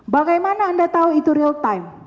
bagaimana anda tahu itu real time